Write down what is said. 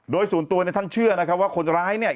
โดยส่วนตัวเนี่ยท่านเชื่อนะครับว่าคนร้ายเนี่ย